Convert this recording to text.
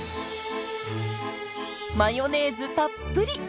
マヨネーズたっぷり！